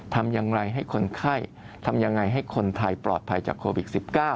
ทำยังไงให้คนไทยปลอดภัยจากโควิด๑๙